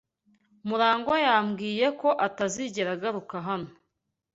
Murangwa yambwiye ko atazigera agaruka hano.